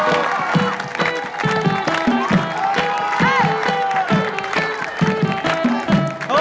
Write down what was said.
โอ้โฮ